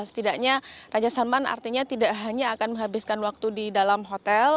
setidaknya raja salman artinya tidak hanya akan menghabiskan waktu di dalam hotel